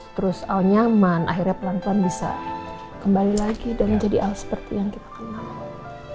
terus nyaman akhirnya pelan pelan bisa kembali lagi dan menjadi hal seperti yang kita kenal